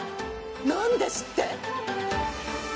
何ですって！？